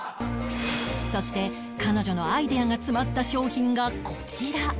そして彼女のアイデアが詰まった商品がこちら